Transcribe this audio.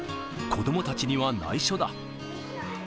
子どもたちにはないしょだ。